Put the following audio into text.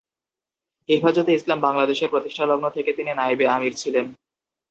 হেফাজতে ইসলাম বাংলাদেশের প্রতিষ্ঠালগ্ন থেকে তিনি নায়েবে আমীর ছিলেন।